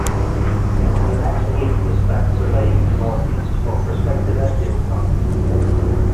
The next week was spent surveying the Northeast for prospective airfield sites.